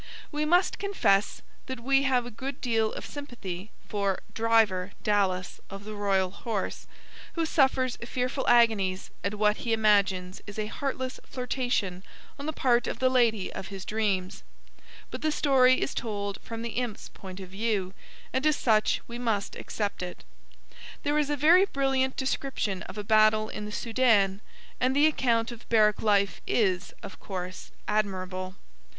We must confess that we have a good deal of sympathy for 'Driver' Dallas, of the Royal Horse, who suffers fearful agonies at what he imagines is a heartless flirtation on the part of the lady of his dreams; but the story is told from the Imp's point of view, and as such we must accept it. There is a very brilliant description of a battle in the Soudan, and the account of barrack life is, of course, admirable.